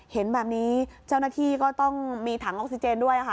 เห็นแบบนี้เจ้าหน้าที่ก็ต้องมีถังออกซิเจนด้วยค่ะ